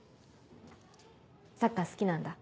サッカー好きなんだ？